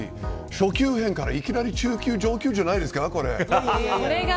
初級編からいきなり中級、上級じゃないですか。